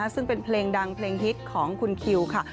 ซึ่งเป็นเพลงดังเพลงฮิตของคุณคิวค่ะ